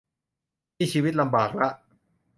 นี่ชีวิตลำบากละ